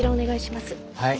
はい。